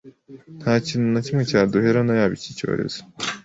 nta kintu na kimwe cyaduherana yaba iki cyorezo